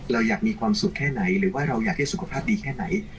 เราอยากมีความสุขแค่ไหนหรือว่าเราอยากให้สุขภาพดีแค่ไหน